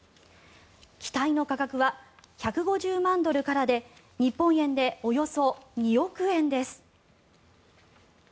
機体の価格は１５０万ドルからで日本円でおよそ２億円です。